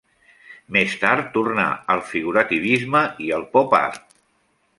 Més tard tornà al figurativisme i el pop-art.